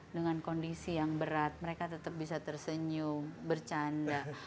dengan kondisi yang berat mereka tetap bisa tersenyum bercanda